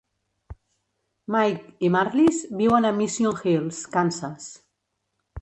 Mike i Marlys viuen a Mission Hills, Kansas.